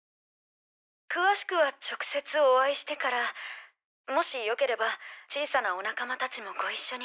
詳しくは直接お会いしてからもしよければ小さなお仲間達もご一緒に。